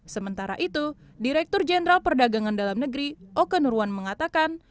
sementara itu direktur jenderal perdagangan dalam negeri oke nurwan mengatakan